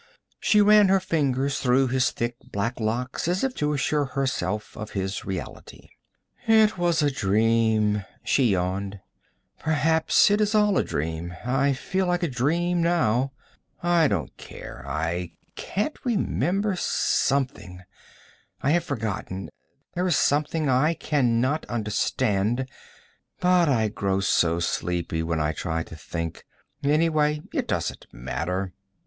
She ran her fingers through his thick black locks as if to assure herself of his reality. 'It was a dream,' she yawned. 'Perhaps it's all a dream. I feel like a dream now. I don't care. I can't remember something I have forgotten there is something I can not understand, but I grow so sleepy when I try to think. Anyway, it doesn't matter.'